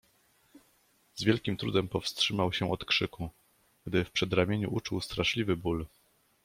"Z wielkim trudem powstrzymał się od krzyku, gdy w przedramieniu uczuł straszliwy ból."